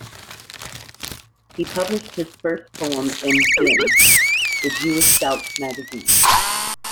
He published his first poem in "Bin", the Jewish scouts magazine.